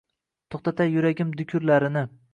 to’xtatay yuragim dukurlarini.